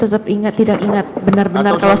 tetap tidak ingat benar benar kalau atau